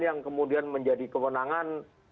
yang kemudian menjadi kewenangan